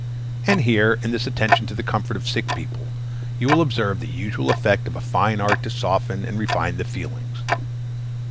And, here, in this attention to the comfort of sick people, you will observe the usual effect of a fine art to soften and refine the feelings.